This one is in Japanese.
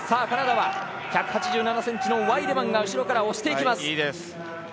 カナダは１８７ｃｍのワイデマンが後ろから押していきます。